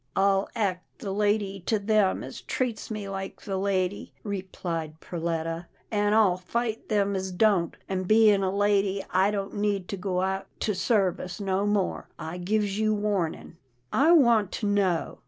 " I'll act the lady to them as treats me like the lady," replied Perletta, " an' I'll fight them as don't, and, bein' a lady, I don't need to go out to service no more. I gives you warnin'." " I want to know